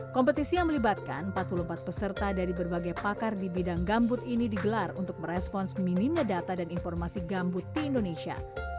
kompetisi yang melibatkan empat puluh empat peserta dari berbagai pakar di bidang gambut ini digelar untuk merespons minimnya data dan informasi gambut di indonesia